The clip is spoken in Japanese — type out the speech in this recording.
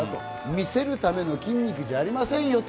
見せるための筋肉じゃありませんよと。